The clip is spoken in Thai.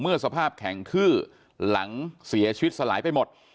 สภาพแข็งทื้อหลังเสียชีวิตสลายไปหมด